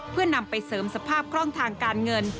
เพื่อนำไปเสริมสภาพคล่องทางการเงิน